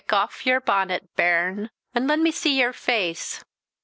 aff ye're bannet, bairn, an' let me see ye're face.